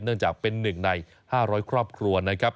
เนื่องจากเป็น๑ใน๕๐๐ครอบครัวนะครับ